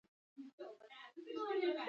کاریزونه څنګه اوبه راوړي؟